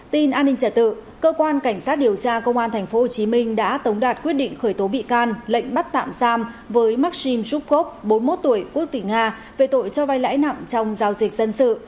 tin an ninh trả tự cơ quan cảnh sát điều tra công an tp hcm đã tống đạt quyết định khởi tố bị can lệnh bắt tạm giam với maxim jokov bốn mươi một tuổi quốc tỉnh nga về tội cho vai lãi nặng trong giao dịch dân sự